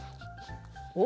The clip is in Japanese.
お？